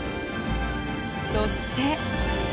そして。